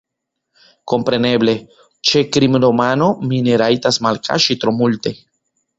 Kompreneble, ĉe krimromano mi ne rajtas malkaŝi tro multe.